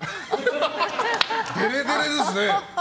デレデレですね。